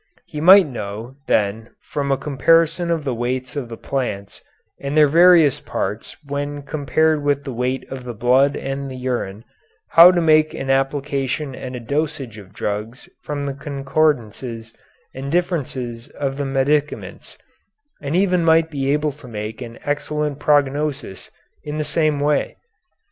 He might know, then, from a comparison of the weights of the plants and their various parts when compared with the weight of the blood and the urine, how to make an application and a dosage of drugs from the concordances and differences of the medicaments, and even might be able to make an excellent prognosis in the same way.